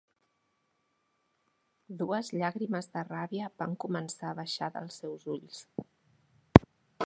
Dues llàgrimes de ràbia van començar a baixar dels seus ulls.